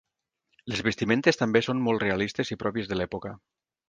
Les vestimentes també són molt realistes i pròpies de l'època.